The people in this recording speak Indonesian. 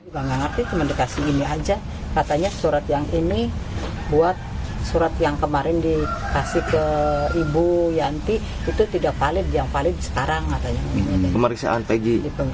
orang tua peggy akan berkoordinasi dengan kuasa hukumnya terkait langkah proses hukum yang akan ditempuh